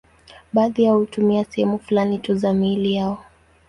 Baadhi yao hutumia sehemu fulani tu za miili yao.